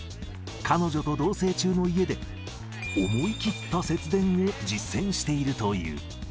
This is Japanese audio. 彼女と同せい中の家で、思い切った節電を実践しているという。